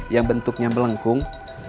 yang bentuknya melengkung